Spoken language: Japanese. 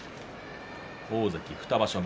大関２場所目。